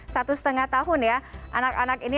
satu setengah tahun ya anak anak ini